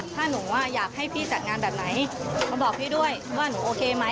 ถ้าหนูว่าอยากให้พี่จัดงานแบบไหนมาบอกพี่ด้วยว่าหนูโอเคไหม